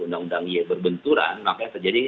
undang undang y berbenturan makanya terjadi